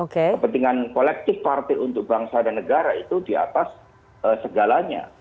kepentingan kolektif partai untuk bangsa dan negara itu di atas segalanya